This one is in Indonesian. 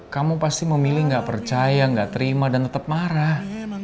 kamu pasti memilih gak percaya gak terima dan tetep marah